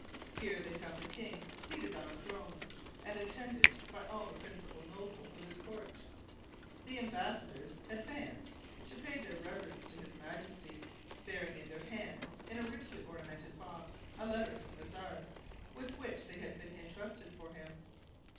Here they found the king seated on a throne, and attended by all the principal nobles of his court. The embassadors advanced to pay their reverence to his majesty, bearing in their hands, in a richly ornamented box, a letter from the Czar, with which they had been intrusted for him.